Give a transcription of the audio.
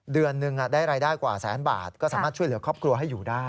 เดือนหนึ่งได้รายได้กว่าแสนบาทก็สามารถช่วยเหลือครอบครัวให้อยู่ได้